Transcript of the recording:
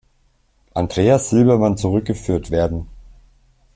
Andreas Silbermann zurückgeführt werden.